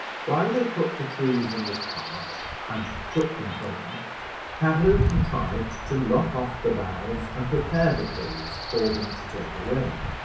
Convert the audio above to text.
While they put the trees in the cart and took them home, Pablo contrived to lop off the boughs and prepare the poles for them to take away.